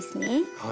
はい。